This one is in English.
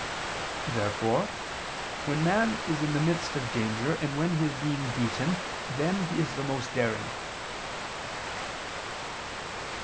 Therefore when man is in the midst of danger and when he is being beaten, then is he most daring.